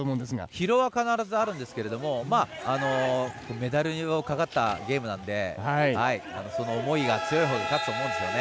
疲労は必ずあるんですけどメダルのかかったゲームなのでその思いが強いほうが勝つと思うんですね。